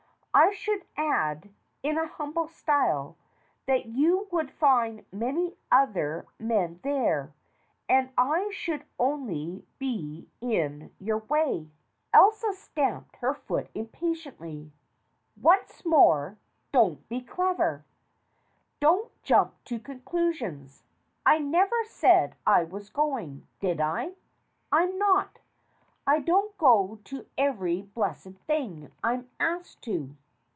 I should add, in a humble style, that you would find many other men there, and I should only be in your way." 219 220 STORIES WITHOUT TEARS Elsa stamped her foot impatiently. "Once more, don't be clever. Don't jump to conclusions. I never said I was going, did I ? I'm not. I don't go to every blessed thing I'm asked to."